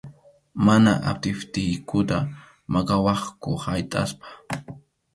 Mana atiptiykuta maqawaqku haytʼaspa.